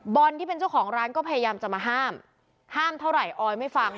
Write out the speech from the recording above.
ที่เป็นเจ้าของร้านก็พยายามจะมาห้ามห้ามเท่าไหร่ออยไม่ฟัง